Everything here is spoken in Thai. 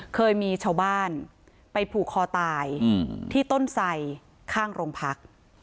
เคยมีชาวบ้านไปผูกคอตายที่ต้นไสข้างโรงพัก